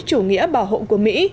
chủ nghĩa bảo hộ của mỹ